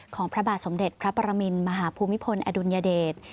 พระบาทสมเด็จพระปรมินมหาภูมิพลอดุลยเดช